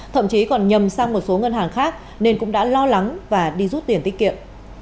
thậm chí còn nhầm sang một số ngân hàng khác nên cũng đã lo lắng và đi rút tiền tiết kiệm